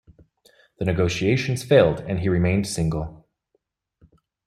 The negotiations failed, and he remained single.